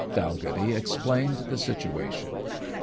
"Dalghetty explained the situation.